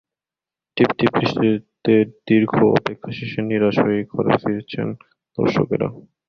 টিপ টিপ বৃষ্টিতে দীর্ঘ অপেক্ষা শেষে নিরাশ হয়েই ঘরে ফিরেছেন দর্শকেরা।